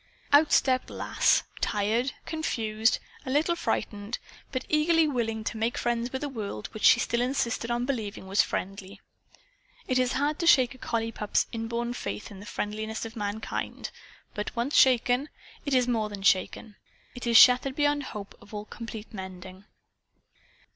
Out stepped Lass, tired, confused, a little frightened, but eagerly willing to make friends with a world which she still insisted on believing was friendly. It is hard to shake a collie pup's inborn faith in the friendliness of mankind, but once shaken, it is more than shaken. It is shattered beyond hope of complete mending.